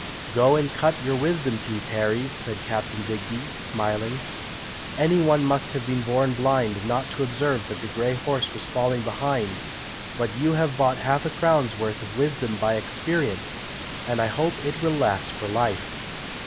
"Go and cut your wisdom teeth, Harry!" said Captain Digby, smiling. "Any one must have been born blind not to observe that the grey horse was falling behind; but you have bought half a crown's worth of wisdom by experience, and I hope it will last for life.